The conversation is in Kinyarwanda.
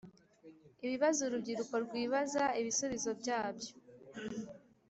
Ibibazo urubyiruko rwibaza ibisubizo byabyo